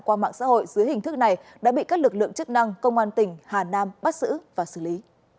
qua mạng xã hội dưới hình thức này đã bị các lực lượng chức năng công an tỉnh hà nam bắt xử và xử lý